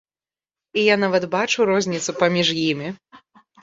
І я нават бачу розніцу паміж імі.